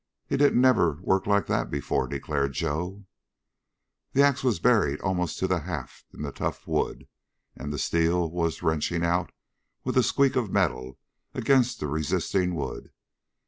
"He didn't never work like that before," declared Joe. The ax was buried almost to the haft in the tough wood, and the steel was wrenching out with a squeak of the metal against the resisting wood.